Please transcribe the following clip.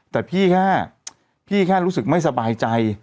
แต่พี่แค่พี่แค่รู้สึกไม่สบายใจ